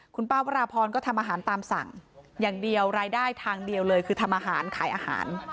คุณป้าวราพรก็ทำอาหารตามสั่งอย่างเดียวรายได้ทางเดียวเลยคือทำอาหารขายอาหาร